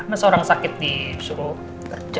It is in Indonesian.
ini seorang sakit di suror kerja